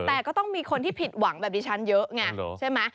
แต่ก็ต้องมีคนที่ผิดหวังแบบดิฉันเยอะไงใช่ไหม